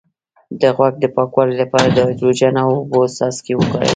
د غوږ د پاکوالي لپاره د هایدروجن او اوبو څاڅکي وکاروئ